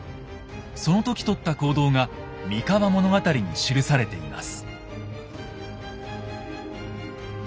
その時とった行動が「三河物語」に記されています。